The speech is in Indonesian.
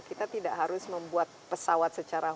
kita tidak harus membuat pesawat secara